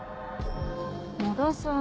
野田さん